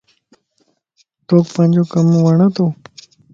توک پانجو ڪم وڻتو؟